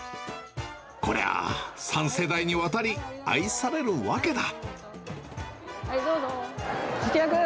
こりゃあ、３世代にわたり愛されるわけだ。